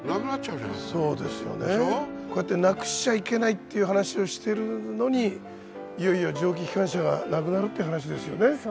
こうやってなくしちゃいけないっていう話をしてるのにいよいよ蒸気機関車がなくなるという話ですよね次は。